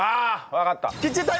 わかった。